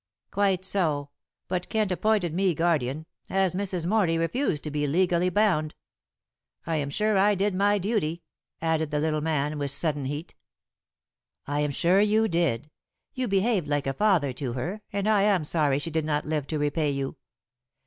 "Quite so; but Kent appointed me guardian, as Mrs. Morley refused to be legally bound. I am sure I did my duty," added the little man, with sudden heat. "I am sure you did. You behaved like a father to her, and I am sorry she did not live to repay you."